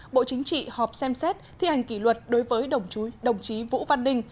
bộ chính trị họp xem xét thi hành kỷ luật đối với đồng chí vũ văn ninh